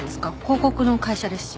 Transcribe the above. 広告の会社ですし。